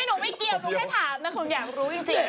นี่หนูไม่เกี่ยวหนูแค่ถามนะหนูอยากรู้จริงข้อมูล